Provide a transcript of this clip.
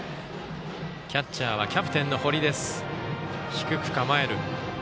キャッチャーはキャプテンの堀です。